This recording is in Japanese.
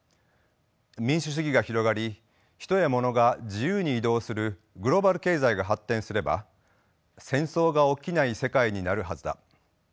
民主主義が広がり人やものが自由に移動するグローバル経済が発展すれば戦争が起きない世界になるはずだ。